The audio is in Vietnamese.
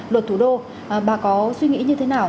luật thủ đô bà có suy nghĩ như thế nào